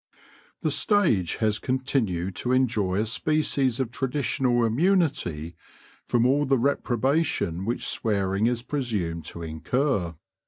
The stage has continued to enjoy a species of traditional immunity from all the reprobation which swearing is presumed to incur.